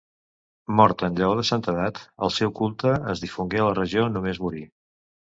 Mort en llaor de santedat, el seu culte es difongué a la regió només morir.